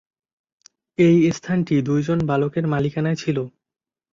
এই স্থানটি দুইজন বালকের মালিকানায় ছিল।